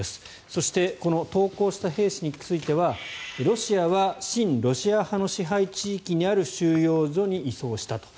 そしてこの投降した兵士についてはロシアは親ロシア派の支配地域にある収容所に移送したと。